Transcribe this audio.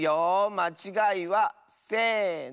まちがいはせの！